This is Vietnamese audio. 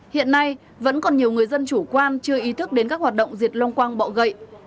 hiện nay vẫn còn nhiều người dân chủ quan chưa ý thức đến các hoạt động diệt long quang bọ gậy